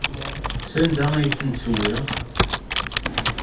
Sanda ay ten-tewwi?